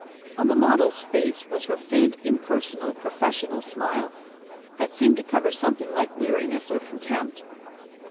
On the model's face was her faint, impersonal professional smile that seemed to cover something like weariness or contempt.